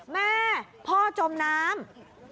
แม่พ่อจมน้ำ